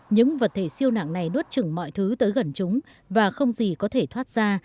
những vật thể siêu nặng này nuốt chừng mọi thứ tới gần chúng và không gì có thể thoát ra